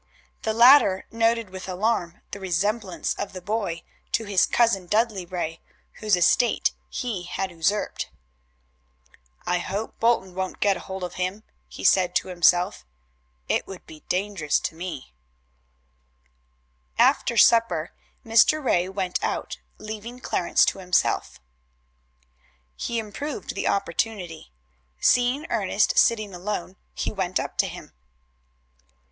The latter noted with alarm the resemblance of the boy to his cousin Dudley Ray, whose estate he had usurped. "I hope Bolton won't get hold of him," he said to himself. "It would be dangerous to me." After supper Mr. Ray went out, leaving Clarence to himself. He improved the opportunity. Seeing Ernest sitting alone, he went up to him.